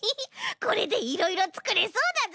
これでいろいろつくれそうだぞ！